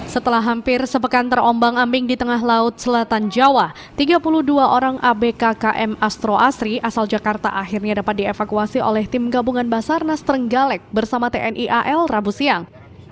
setelah hampir sepekan terombang ambing di tengah laut selatan jawa tiga puluh dua orang abk km astro asri asal jakarta akhirnya dapat dievakuasi oleh tim gabungan basarnas trenggalek bersama tni al rabu siang